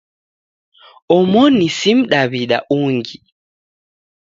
Omoni si mdaw'ida ungi.